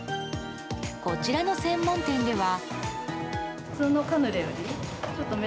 こちらの専門店では。